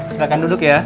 silahkan duduk ya